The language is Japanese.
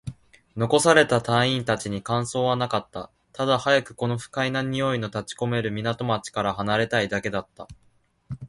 残された隊員達に感想はなかった。ただ、早くこの不快な臭いの立ち込める港町から離れたいだけだった。